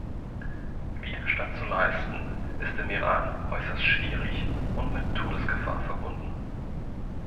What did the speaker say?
Widerstand zu leisten, ist im Iran äußerst schwierig und mit Todesgefahr verbunden.